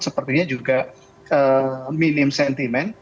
sepertinya juga minim sentimen